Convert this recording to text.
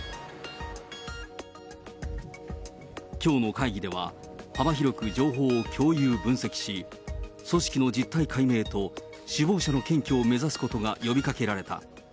きょうの会議では、幅広く情報を共有・分析し、組織の実態解明と、首謀者の検挙を目指すことが呼びかけられた。